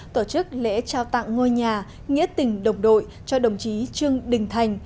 tổ chức lễ trao tặng ngôi nhà nghĩa tình đồng đội cho đồng chí trương đình thành